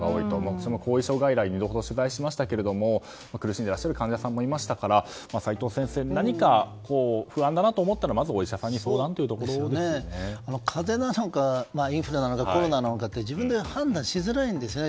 私も後遺症外来を２度ほど取材しましたが苦しんでいらっしゃる患者さんもいらっしゃいましたから齋藤先生何か不安だなと思ったらまずは、お医者さんに風邪なのかインフルなのかコロナなのかって自分で判断しづらいんですよね